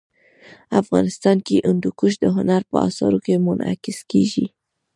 افغانستان کي هندوکش د هنر په اثارو کي منعکس کېږي.